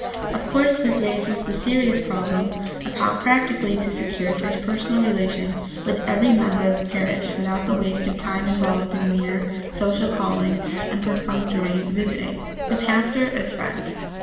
Of course this raises the serious problem of how practically to secure such personal relation with every member of the parish without the waste of time involved in mere social calling and perfunctory visiting. The pastor as friend.